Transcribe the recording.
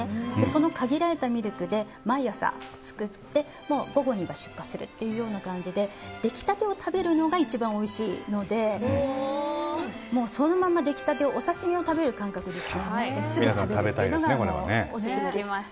その限られたミルクで毎朝作って午後には出荷するというような感じで出来立てを食べるのが一番おいしいのでそのまま出来たてをお刺し身を食べる感覚ですぐ食べるというのがオススメです。